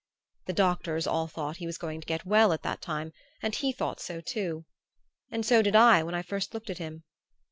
The doctors all thought he was going to get well at that time, and he thought so too; and so did I when I first looked at him.